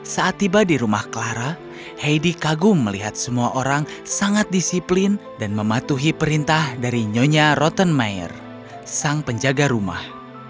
saat tiba di rumah clara heidi kagum melihat semua orang sangat disiplin dan mematuhi perintah dari nyonya rotton mayer sang penjaga rumah